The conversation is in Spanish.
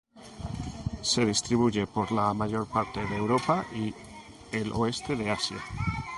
Se distribuye por la mayor parte de Europa y el oeste de Asia.